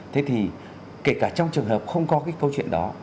thế thì kể cả trong trường hợp không có cái câu chuyện đó